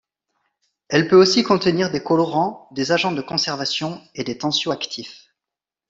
Elle peut aussi contenir des colorants, des agents de conservation et des tensioactifs.